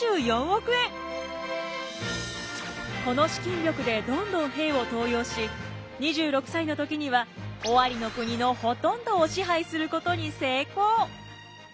この資金力でどんどん兵を登用し２６歳の時には尾張国のほとんどを支配することに成功。